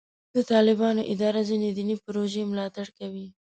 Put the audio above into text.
د طالبانو اداره ځینې دیني پروژې ملاتړ کوي.